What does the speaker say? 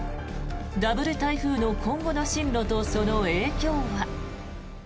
ダブル台風の今後の進路とその影響は。